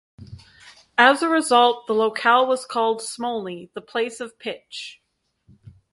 As a result, the locale was called "smolny" - the place of pitch.